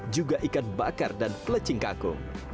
juga ikan bakar dan pelecing kaku